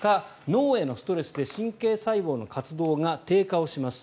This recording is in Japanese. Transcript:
脳へのストレスで神経細胞の活動が低下をします。